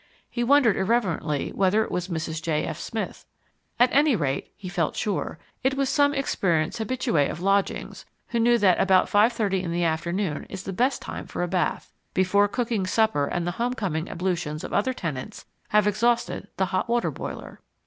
He wondered irreverently whether it was Mrs. J. F. Smith. At any rate (he felt sure), it was some experienced habitue of lodgings, who knew that about five thirty in the afternoon is the best time for a bath before cooking supper and the homecoming ablutions of other tenants have exhausted the hot water boiler.